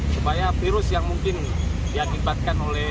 supaya virus yang mungkin diakibatkan oleh